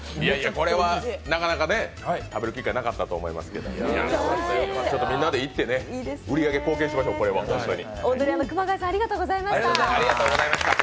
これはなかなか食べる機会がなかったと思いますけど、みんなで行って売り上げ貢献しましょう、これは本当に。